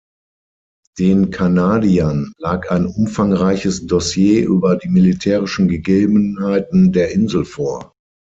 Den Kanadiern lag ein umfangreiches Dossier über die militärischen Gegebenheiten der Insel vor.